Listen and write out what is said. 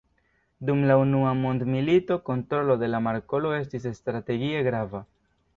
Dum la unua mondmilito, kontrolo de la markolo estis strategie grava.